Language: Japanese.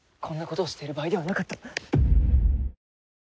こんなことをしている場合ではなかった。